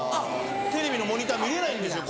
テレビのモニター見れないんですよ。